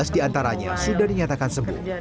tiga belas diantaranya sudah dinyatakan sembuh